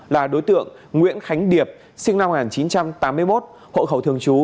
là đối tượng nguyễn khánh điệp sinh năm một nghìn chín trăm tám mươi một hộ khẩu thường trú